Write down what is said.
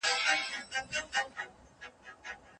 آیا انټرنیټ تر ټلویزیون ډېر مالومات لري؟